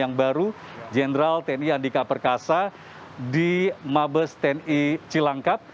yang baru jenderal tni andika perkasa di mabes tni cilangkap